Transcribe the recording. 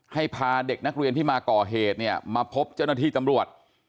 พาเด็กนักเรียนที่มาก่อเหตุเนี่ยมาพบเจ้าหน้าที่ตำรวจ